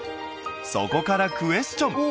そこからクエスチョン！